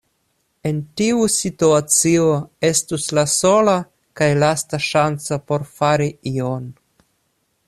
En tiu situacio, estus la sola kaj lasta ŝanco por fari ion...